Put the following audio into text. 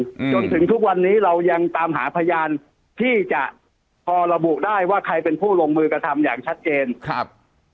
จนถึงทุกวันนี้เรายังตามหาพยานที่จะพอระบุได้ว่าใครเป็นผู้ลงมือกระทำอย่างชัดเจนครับ